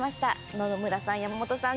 野々村さん、山本さん